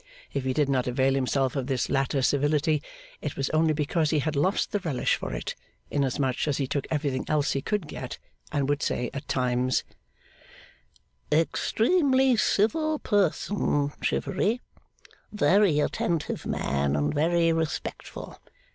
If he did not avail himself of this latter civility, it was only because he had lost the relish for it; inasmuch as he took everything else he could get, and would say at times, 'Extremely civil person, Chivery; very attentive man and very respectful.